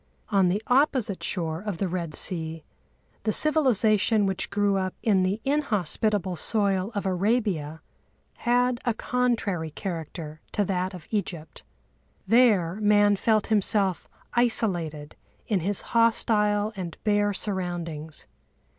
On the opposite shore of the Red Sea the civilisation which grew up in the inhospitable soil of Arabia had a contrary character to that of Egypt. There man felt himself isolated in his hostile and bare surroundings.